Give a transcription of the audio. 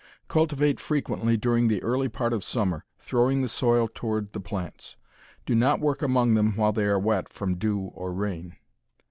Cultivate frequently during the early part of summer, throwing the soil toward the plants. Do not work among them while they are wet from dew or rain.